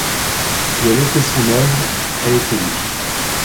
Et elle était son œuvre, elle était lui.